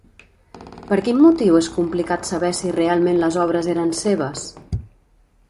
Per quin motiu és complicat saber si realment les obres eren seves?